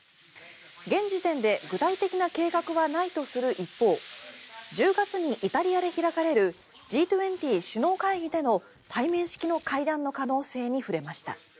現時点で具体的な計画はないとする一方１０月にイタリアで開かれるＧ２０首脳会議での対面式の会談の可能性に触れました。